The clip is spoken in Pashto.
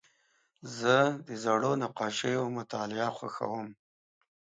زه د زړو نقاشیو مطالعه خوښوم.